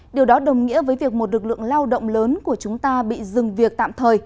điều đó đồng nghĩa với việc một lực lượng lao động lớn của chúng ta bị dừng việc tạm thời